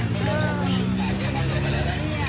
พี่กดกดช้อนกดช้อน